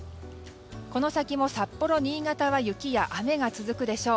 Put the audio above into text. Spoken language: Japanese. この先も札幌、新潟は雪や雨が続くでしょう。